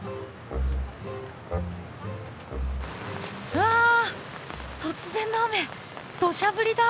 わあ突然の雨どしゃ降りだ！